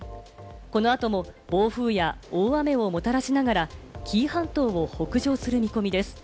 この後も暴風や大雨をもたらしながら、紀伊半島を北上する見込みです。